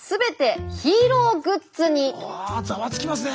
うわざわつきますね。